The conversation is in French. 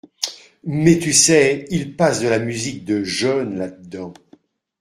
Mais tu sais, il passe de la musique de jeunes, là-dedans